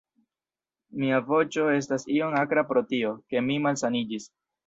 Mia voĉo estas iom akra pro tio, ke mi malsaniĝis